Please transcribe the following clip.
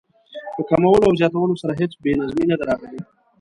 په کمولو او زیاتولو سره هېڅ بې نظمي نه ده راغلې.